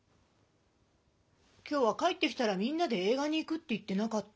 今日は帰ってきたらみんなでえい画に行くって言ってなかった？